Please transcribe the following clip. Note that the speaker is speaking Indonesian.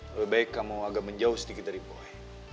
lebih baik kamu agak menjauh sedikit dari poe